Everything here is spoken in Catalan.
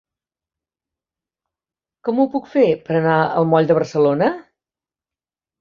Com ho puc fer per anar al moll de Barcelona?